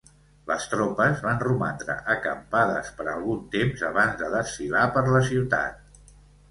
Les tropes van romandre acampades per algun temps abans de desfilar per la ciutat.